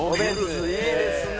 いいですね。